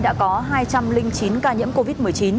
đã có hai trăm linh chín ca nhiễm covid một mươi chín